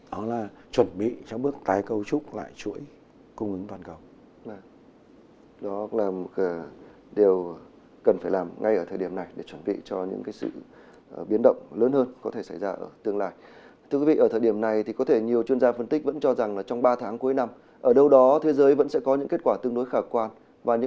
đó là chuẩn bị cho bước tái cấu trúc lại chuỗi cung ứng toàn cầu